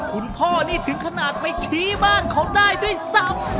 คุณพ่อนี่ถึงขนาดไปชี้บ้านเขาได้ด้วยซ้ำ